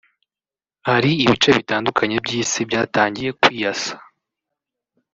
Hari ibice bitandukanye by’isi byatangiye kwiyasa